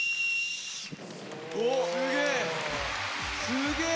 すげえ！